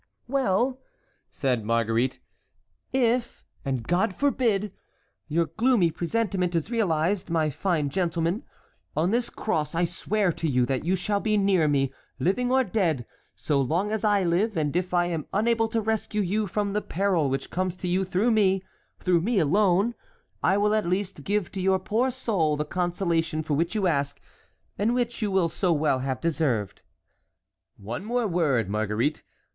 "Well!" said Marguerite, "if—and God forbid!—your gloomy presentiment is realized, my fine gentleman, on this cross I swear to you that you shall be near me, living or dead, so long as I live; and if I am unable to rescue you from the peril which comes to you through me, through me alone, I will at least give to your poor soul the consolation for which you ask, and which you will so well have deserved." "One word more, Marguerite.